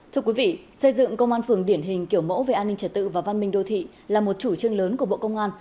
thưa quý vị xây dựng công an phường điển hình kiểu mẫu về an ninh trật tự và văn minh đô thị là một chủ trương lớn của bộ công an